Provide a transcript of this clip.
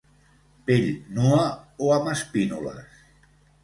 Pell nua o amb espínules.